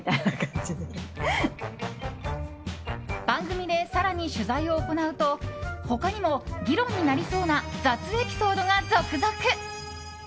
番組で更に取材を行うと他にも議論になりそうな雑エピソードが続々。